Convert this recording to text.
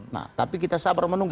nah tapi kita sabar menunggu